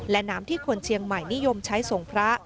และน้ำที่คนเชียงใหม่นิยมใช้ส่งพระ